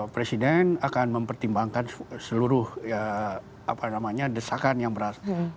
presiden akan mempertimbangkan seluruh ya apa namanya desakan yang berasal